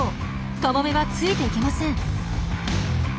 カモメはついていけません。